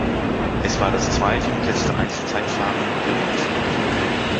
Es war das zweite und letzte Einzelzeitfahren der Rundfahrt.